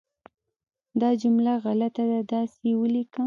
دا جمله غلطه ده، داسې یې ولیکه